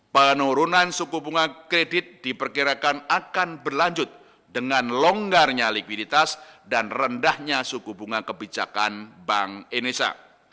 penurunan suku bunga kredit diperkirakan akan berlanjut dengan longgarnya likuiditas dan rendahnya suku bunga kebijakan bank indonesia